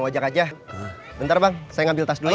ngajak aja bentar bang saya ngambil tas dulu ya